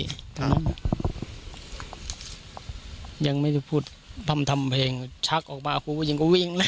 ครับตรงนั้นยังไม่ได้พูดพรรมเพลงชักออกมาครูผู้หญิงก็วิ่งเลย